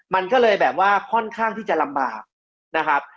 มันก็เลยแบบว่าค่อนข้างที่จะลำบากนะครับ